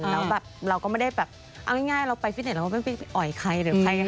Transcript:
แล้วแบบเราก็ไม่ได้แบบเอาง่ายเราไปฟิตเนตเราไม่ไปออยใคร